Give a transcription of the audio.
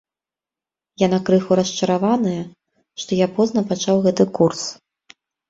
Яны крыху расчараваныя, што я позна пачаў гэты курс.